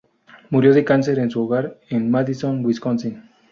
Murió de cáncer en su hogar en Madison, Wisconsin.